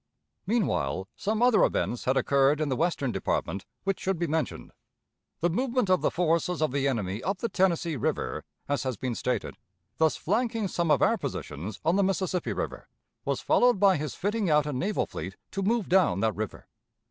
Meanwhile some other events had occurred in the Western Department which should be mentioned. The movement of the forces of the enemy up the Tennessee River, as has been stated, thus flanking some of our positions on the Mississippi River, was followed by his fitting out a naval fleet to move down that river.